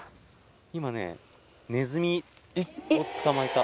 今ねネズミを捕まえた。